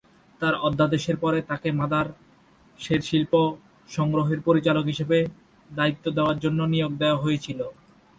তাঁর অধ্যাদেশের পরে, তাকে মাদার সের শিল্প সংগ্রহের পরিচালক হিসাবে দায়িত্ব দেওয়ার জন্য নিয়োগ দেওয়া হয়েছিল।